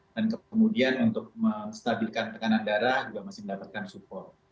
dan kemudian untuk menstabilkan tekanan darah juga masih mendapatkan support